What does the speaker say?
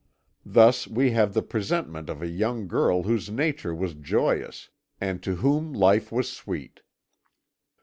"Thus we have the presentment of a young girl whose nature was joyous, and to whom life was sweet.